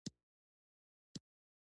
له نوي تمدن سره دښمني کوي.